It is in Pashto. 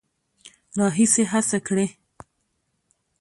راهیسې هڅه کړې